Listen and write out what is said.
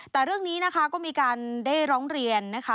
แต่เรื่องนี้นะคะก็มีการได้ร้องเรียนนะคะ